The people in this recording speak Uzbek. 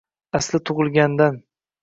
«Asli tug’ilgandan